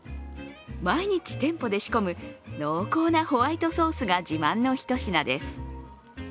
毎日店舗で仕込む濃厚なホワイトソースが自慢のひと品です。